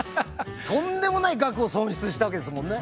とんでもない額を損失したわけですもんね。